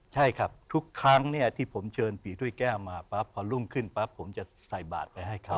ใช่ครับทุกครั้งเนี่ยที่ผมเชิญปีถ้วยแก้วมาปั๊บพอรุ่งขึ้นปั๊บผมจะใส่บาทไปให้เขา